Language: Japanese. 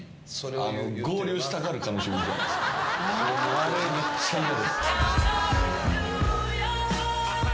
あれめっちゃ嫌。